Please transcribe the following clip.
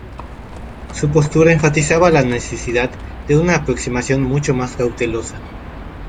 Su postura enfatizaba la necesidad de una aproximación mucho más cautelosa.